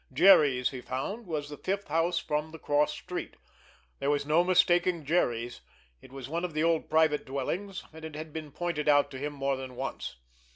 Jerry's, he found, was the fifth house from the cross street. There was no mistaking Jerry's. It was one of the old private dwellings, and it had been pointed out to him more than once.